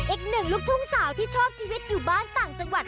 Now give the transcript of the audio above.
อีกหนึ่งลูกทุ่งสาวที่ชอบชีวิตอยู่บ้านต่างจังหวัด